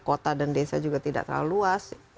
kota dan desa juga tidak terlalu luas